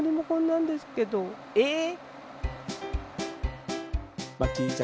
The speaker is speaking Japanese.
えっ！